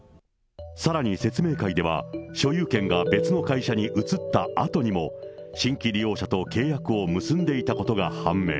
さらに説明会では、所有権が別の会社に移ったあとにも、新規利用者と契約を結んでいたことが判明。